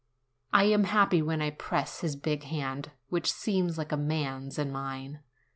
I am happy when I press his big hand, which seems like a man's, in mine.